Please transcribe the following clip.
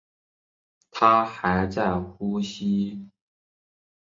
她还在呼吸